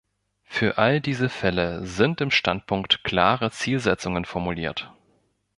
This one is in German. Für all diese Fälle sind im Standpunkt klare Zielsetzungen formuliert.